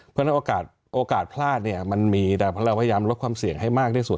เพราะฉะนั้นโอกาสพลาดเนี่ยมันมีแต่เราพยายามลดความเสี่ยงให้มากที่สุด